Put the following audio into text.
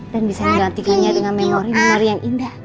dan bisa menggantikannya dengan memori memori yang indah